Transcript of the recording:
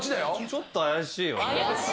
ちょっと怪しいよね。